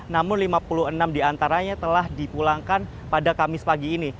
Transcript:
namun lima puluh enam diantaranya telah dipulangkan pada kamis pagi ini